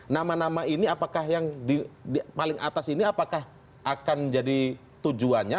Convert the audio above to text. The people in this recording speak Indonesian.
nama nama ini apakah yang paling atas ini apakah akan jadi tujuannya